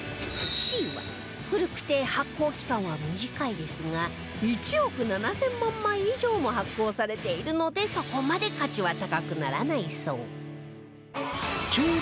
Ｃ は古くて発行期間は短いですが１億７０００万枚以上も発行されているのでそこまで価値は高くならないそう